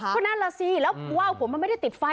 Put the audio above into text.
ก็นั่นแหละสิแล้วว่าวผมมันไม่ได้ติดไฟ